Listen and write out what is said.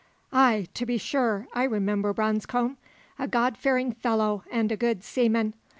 "Ay, to be sure, I remember Branscome a Godfearing fellow and a good seaman.